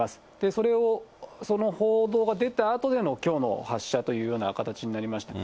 それを、その報道が出たあとでのきょうの発射というような形になりました。